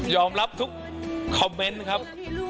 รับทุกคอมเมนต์ครับ